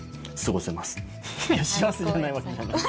いや幸せじゃない訳じゃない。